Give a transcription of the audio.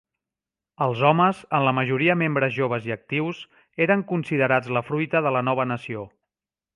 Els homes, en la majoria membres joves i actius, eren considerats la "fruita" de la nova nació.